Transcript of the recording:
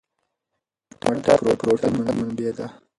مټر د پروتین ښه منبع ده.